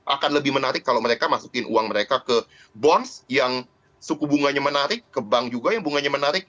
akan lebih menarik kalau mereka masukin uang mereka ke bonds yang suku bunganya menarik ke bank juga yang bunganya menarik